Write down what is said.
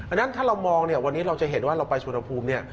อันนั้นถ้าเรามองวันนี้เราจะเห็นว่าเราไปสวนภูมิ